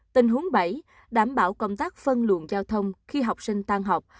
tình huống bảy đảm bảo công tác phân luận giao thông khi học sinh tan học